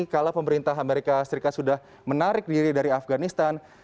kala pemerintah amerika serikat sudah menarik diri dari afghanistan